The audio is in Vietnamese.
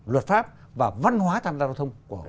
luật pháp và văn hóa tham gia giao thông